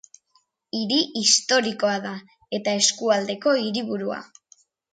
Hiri historikoa da, eta eskualdeko hiriburua.